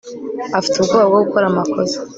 afite ubwoba bwo gukora amakosa